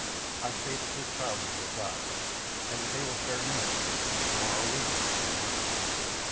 I say that this child is their God, and that they will spare none of us, nor our women, if we harm him."